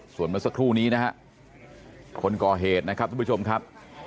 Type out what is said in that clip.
ส่วนเมื่อสักครู่นี้นะฮะคนก่อเหตุนะครับทุกผู้ชมครับ